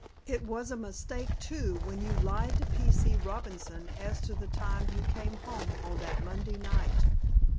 It was a mistake, too, when you lied to P. C. Robinson as to the time you came home on that Monday night.